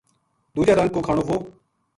دُوجا رنگ کو کھانو وُہ